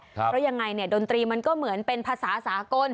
เพราะยังไงเนี่ยดนตรีมันก็เหมือนเป็นภาษาสากล